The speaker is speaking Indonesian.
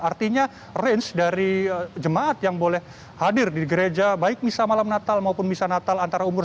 artinya range dari jemaat yang boleh hadir di gereja baik misa malam natal maupun misa natal antara umur